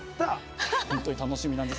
本当に楽しみなんです。